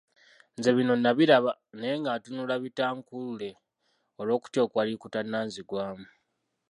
Nze bino nabiraba, naye nga ntunula bitankuule olw'okutya okwali kutannanzigwamu.